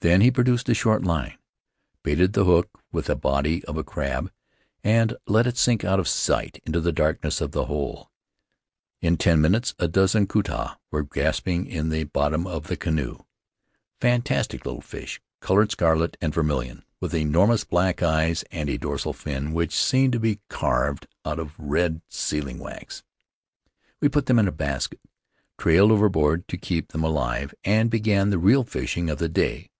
Then he produced a short line, baited the hook with a body of a crab, and let it sink out of sight into the darkness of the hole. In ten minutes a dozen ku ta were gasping in the bottom of the canoe — fantastic little fish, colored scarlet and vermilion, with enormous black eyes and Faery Lands of the South Seas a dorsal fin which seemed to be carved out of red sealing wax. We put them in a basket, trailed over board to keep them alive, and began the real fishing of the day.